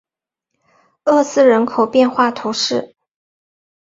厄斯人口变化图示